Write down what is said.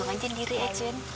bikin diri aja in